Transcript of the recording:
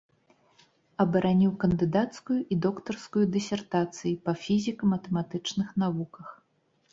Абараніў кандыдацкую і доктарскую дысертацыі па фізіка-матэматычных навуках.